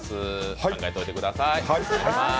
考えといてください。